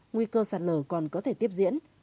nguy cơ sạt lở còn có thể tiếp diễn